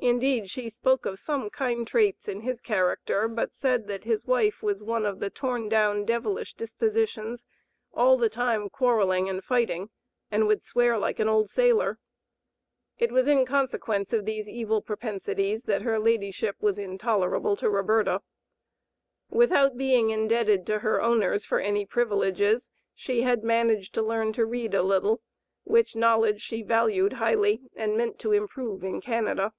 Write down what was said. Indeed she spoke of some kind traits in his character, but said that his wife was one of "the torn down, devilish dispositions, all the time quarreling and fighting, and would swear like an old sailor." It was in consequence of these evil propensities that her ladyship was intolerable to Roberta. Without being indebted to her owners for any privileges, she had managed to learn to read a little, which knowledge she valued highly and meant to improve in Canada.